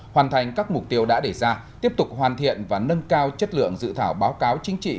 hoàn thành các mục tiêu đã để ra tiếp tục hoàn thiện và nâng cao chất lượng dự thảo báo cáo chính trị